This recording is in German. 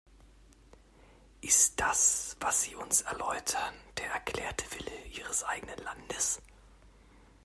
Ist das, was Sie uns erläutern, der erklärte Wille Ihres eigenen Landes?